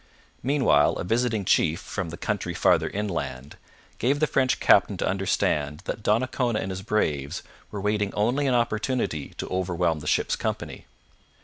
Meanwhile a visiting chief, from the country farther inland, gave the French captain to understand that Donnacona and his braves were waiting only an opportunity to overwhelm the ships' company.